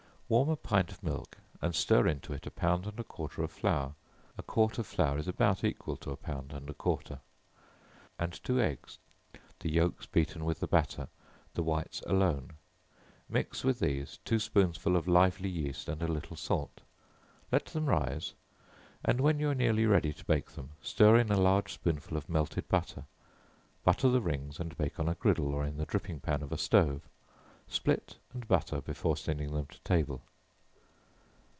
Warm a pint of milk, and stir into it a pound and a quarter of flour, (a quart of flour is about equal to a pound and a quarter,) and two eggs, the yelks beaten with the batter, the whites alone, mix with these two spoonsful of lively yeast and a little salt, let them rise, and when you are nearly ready to bake them, stir in a large spoonful of melted butter, butter the rings and bake on a griddle, or in the dripping pan of a stove. Split and butter before sending them to table.